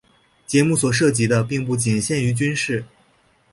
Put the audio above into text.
节目所涉及的并不仅限于军事。